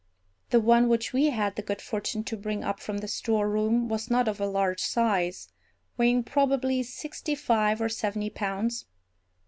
The one which we had the good fortune to bring up from the storeroom was not of a large size, weighing probably sixty five or seventy pounds.